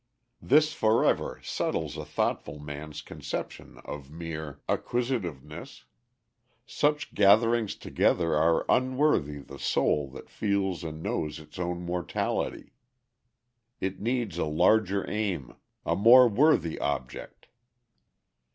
This forever settles a thoughtful man's conception of mere acquisitiveness. Such gatherings together are unworthy the soul that feels and knows its own immortality. It needs a larger aim, a more worthy object.